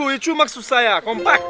icu maksud saya kompak